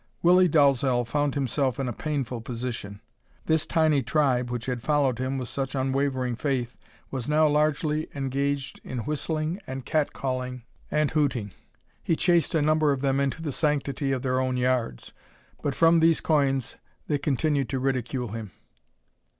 Willie Dalzel found himself in a painful position. This tiny tribe which had followed him with such unwavering faith was now largely engaged in whistling and catcalling and hooting. He chased a number of them into the sanctity of their own yards, but from these coigns they continued to ridicule him.